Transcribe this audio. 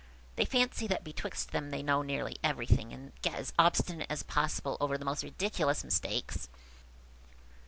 They fancy that betwixt them they know nearly everything, and get as obstinate as possible over the most ridiculous mistakes."